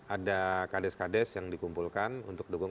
ada kdes kdes yang dikumpulkan untuk dukung satu